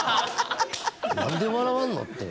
何で笑わんのって。